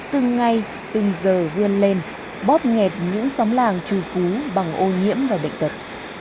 từng ngày từng giờ vươn lên bóp nghẹt những sóng làng trù phú bằng ô nhiễm và bệnh tật